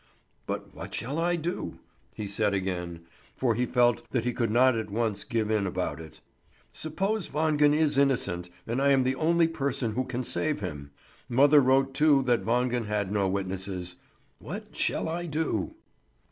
"But what shall I do?" he said again; for he felt that he could not at once give in about it. "Suppose Wangen is innocent and I am the only person who can save him. Mother wrote too that Wangen had no witnesses. What shall I do?"